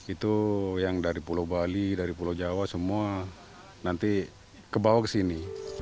itu yang dari pulau bali dari pulau jawa semua nanti kebawa ke sini